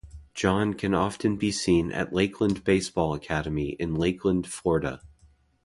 John can often be seen at Lakeland Baseball Academy in Lakeland, Florida.